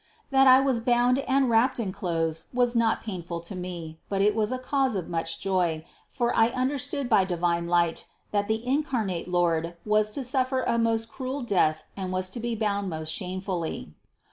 356. That I was bound and wrapped in clothes was not painful to me, but it was a cause of much joy, for I understood by divine light, that the incarnate Lord was to suffer a most cruel death and was to be bound most shamefully.